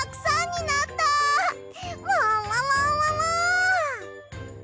ももももも！